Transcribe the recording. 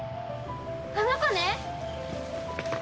あの子ね？